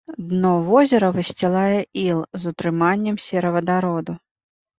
Дно возера высцілае іл з утрыманнем серавадароду.